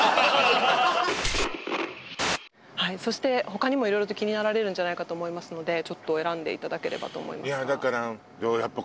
他にも色々と気になられるんじゃないかと思いますのでちょっと選んでいただければと思いますがやっぱ